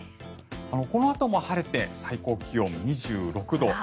このあとも晴れて最高気温２６度。